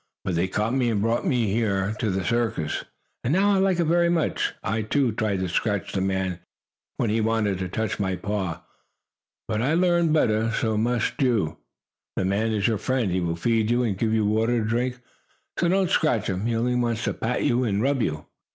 But they caught me and brought me here to the circus; and now I like it very much. I, too, tried to scratch the man when he wanted to touch my paw, but I learned better. So must you. The man is your friend. He will feed you and give you water to drink. So don't scratch him. He only wants to pat you and rub you."